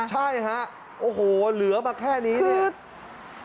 ใช่ฮะโอ้โหเหลือมาแค่นี้เนี่ย